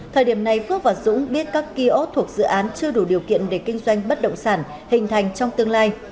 thời điểm này phước và dũng biết các kiosk thuộc dự án chưa đủ điều kiện để kinh doanh bất động sản hình thành trong tương lai